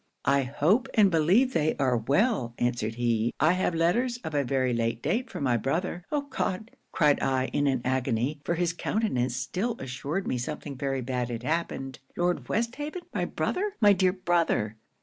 '"I hope, and believe they are well," answered he. "I have letters of a very late date from my brother." '"Oh God!" cried I, in an agony (for his countenance still assured me something very bad had happened) "Lord Westhaven my brother, my dear brother!"